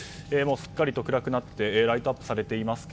すっかりと暗くなってライトアップされていますが